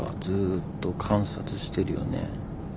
ずーっと観察してるよね。